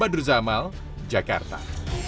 badur zamal jakarta